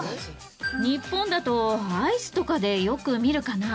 日本だとアイスとかでよく見るかな。